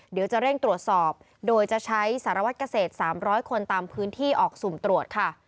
เดี๋ยวจะเร่งตรวจสอบโดยจะใช้สารวัตรเกษตร๓๐๐คนตามพื้นที่ออกสุ่มตรวจค่ะ